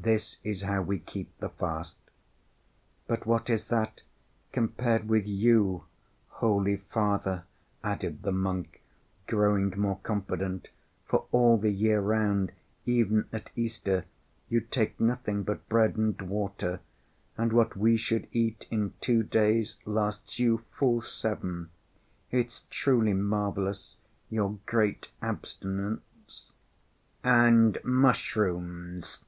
This is how we keep the fast. But what is that compared with you, holy Father," added the monk, growing more confident, "for all the year round, even at Easter, you take nothing but bread and water, and what we should eat in two days lasts you full seven. It's truly marvelous—your great abstinence." "And mushrooms?"